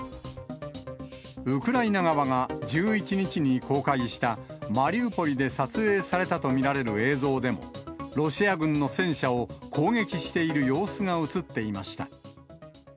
ウクライナ側が１１日に公開した、マリウポリで撮影されたと見られる映像でも、ロシア軍の戦車を攻撃している様子が写っていました。